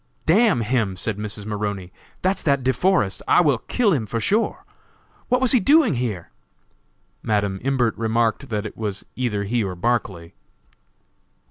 "D n him," said Mrs. Maroney, "that's that De Forest; I will kill him, sure! What was he doing here?" Madam Imbert remarked that it was either he or Barclay.